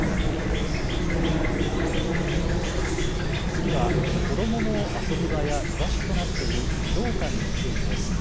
次は子どもの遊び場や居場所となっている児童館についてです。